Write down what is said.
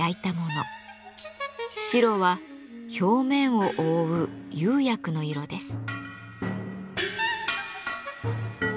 白は表面を覆う釉薬の色です。